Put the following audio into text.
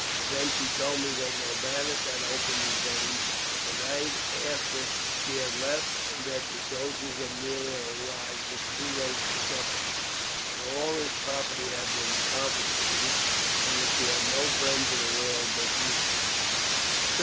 Then she told me that Norbanus had opened his veins that night after she had left, and that the soldiers of Nero arrived just too late to trouble him; that all his property had been confiscated, and that she had no friends in the world but you.